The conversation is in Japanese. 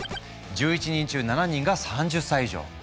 １１人中７人が３０歳以上！